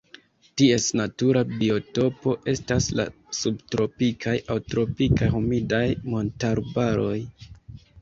Ties natura biotopo estas la subtropikaj aŭ tropikaj humidaj montarbaroj.